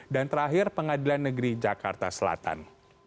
dan terakhir pengadilan negeri jakarta selatan